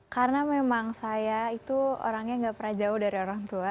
karena memang saya itu orangnya gak pernah jauh dari orang tua